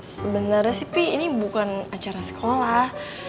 sebenarnya sih pi ini bukan acara sekolah